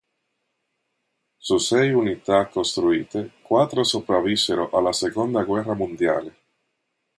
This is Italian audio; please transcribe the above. Su sei unità costruite, quattro sopravvissero alla seconda guerra mondiale.